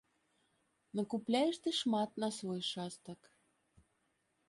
Накупляеш ты шмат на свой шастак!